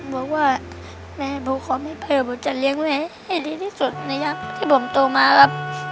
แม่ว่าแม่บุ๊คคอมไม่เพลิมที่จะเลี้ยงแม่แน่นี้ที่สุดที่ผมตัวมาละ